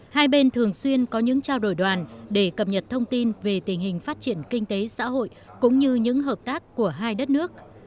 hai bên thường xuyên có những trao đổi đoàn để cập nhật thông tin về tình hình phát triển kinh tế xã hội cũng như những hợp tác của hai đất nước